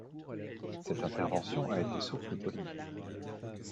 Cette intervention a été source de polémiques.